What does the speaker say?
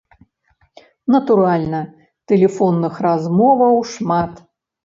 Натуральна, тэлефонных размоваў шмат.